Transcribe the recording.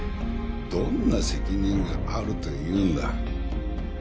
どんな責任があるというんだ？